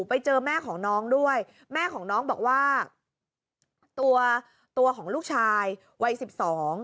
ไปเจอแม่ของน้องด้วยแม่ของน้องบอกว่าตัวตัวของลูกชายวัยสิบสอง